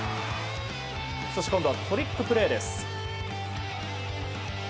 そして今度はトリックプレーです。